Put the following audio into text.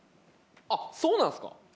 あっそうなんですか。